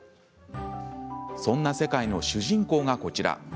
そんな世界の主人公がこちら。